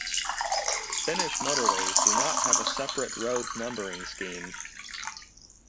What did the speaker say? Finnish motorways do not have a separate road numbering scheme.